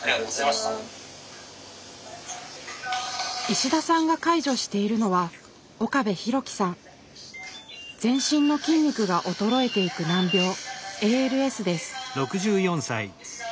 石田さんが介助しているのは全身の筋肉が衰えていく難病ＡＬＳです。